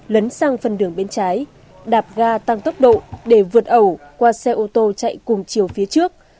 lấn sang phần đường bên trái đạp ga tăng tốc độ để vượt ẩu qua xe ô tô chạy cùng chiều phía trước